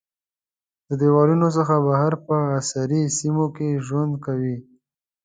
د دیوالونو څخه بهر په عصري سیمو کې ژوند کوي.